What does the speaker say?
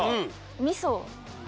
みそ。